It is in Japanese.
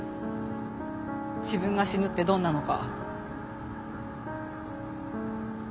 自分が死ぬってどんなのか。